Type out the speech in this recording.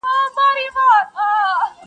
کله یو خوا کله بله شاته تلله -